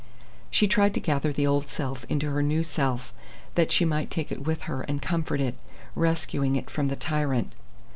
She tried to gather the old self into her new self, that she might take it with her and comfort it, rescuing it from the tyrant.